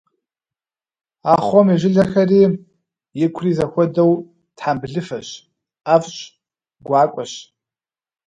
Ахъом и жылэхэри икури зэхуэдэу тхьэмбылыфэщ, ӏэфӏщ, гуакӏуэщ.